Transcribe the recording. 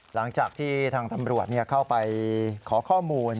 หลังจากที่ทางตำรวจเข้าไปขอข้อมูล